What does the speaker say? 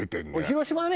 広島はね。